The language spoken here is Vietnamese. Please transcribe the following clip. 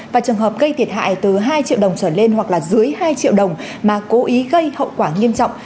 và trường hợp gây thiệt hại từ hai triệu đồng trở lên hoặc là dưới hai triệu đồng mà cố ý gây hậu quả nghiêm trọng